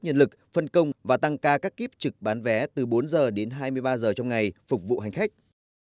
nhân lực phân công và tăng ca các kíp trực bán vé từ bốn h đến hai mươi ba h trong ngày phục vụ hành khách